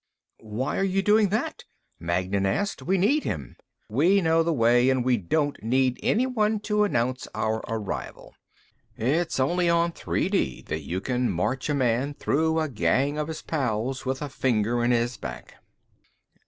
"Why are you doing that?" Magnan asked. "We need him." "We know the way. And we don't need anyone to announce our arrival. It's only on three dee that you can march a man through a gang of his pals with a finger in his back."